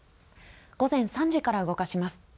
午前３時から動かします。